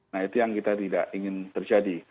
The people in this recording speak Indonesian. nah itu yang kita tidak ingin terjadi